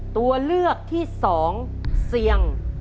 ตัวเลือกที่๒เสียง